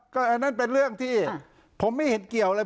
ก็อันนั้นเป็นเรื่องที่ผมไม่เห็นเกี่ยวเลย